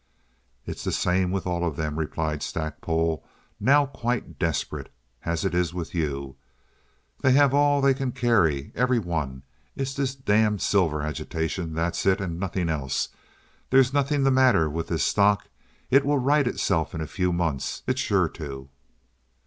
"It's the same with all of them," replied Stackpole, now quite desperate, "as it is with you. They have all they can carry—every one. It's this damned silver agitation—that's it, and nothing else. There's nothing the matter with this stock. It will right itself in a few months. It's sure to."